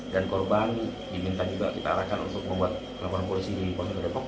dan korban diminta juga kita arahkan untuk membuat laporan polisi di polres metro depok